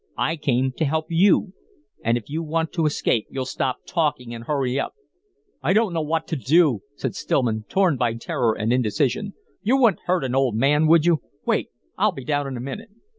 I came to help you, and if you want to escape you'll stop talking and hurry up." "I don't know what to do," said Stillman, torn by terror and indecision. "You wouldn't hurt an old man, would you? Wait! I'll be down in a minute."